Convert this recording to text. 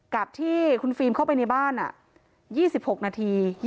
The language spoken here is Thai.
กับที่คุณฟิล์มเข้าไปในบ้าน๒๖นาที